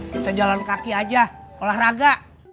kita jalan kaki aja olahraga